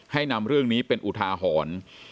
นำเรื่องนี้เป็นอุทาหรณ์